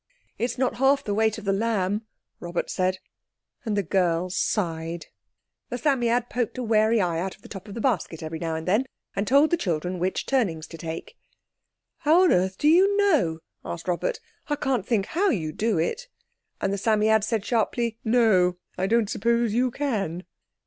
"It's not half the weight of The Lamb," Robert said, and the girls sighed. The Psammead poked a wary eye out of the top of the basket every now and then, and told the children which turnings to take. "How on earth do you know?" asked Robert. "I can't think how you do it." And the Psammead said sharply, "No—I don't suppose you can."